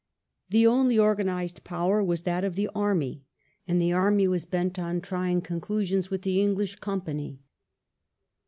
The only organized power was that of the army, and the army was bent on trying conclusions with the Eng lish Company.